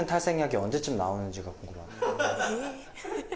はい！